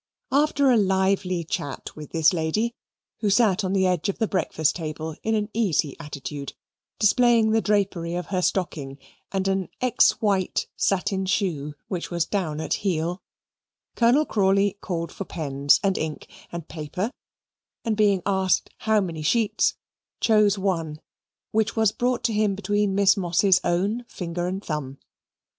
After a lively chat with this lady (who sat on the edge of the breakfast table in an easy attitude displaying the drapery of her stocking and an ex white satin shoe, which was down at heel), Colonel Crawley called for pens and ink, and paper, and being asked how many sheets, chose one which was brought to him between Miss Moss's own finger and thumb.